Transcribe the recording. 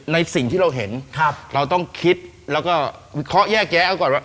ในสิ่งที่เราเห็นเราต้องคิดแล้วก็วิเคราะห์แยกแยะเอาก่อนว่า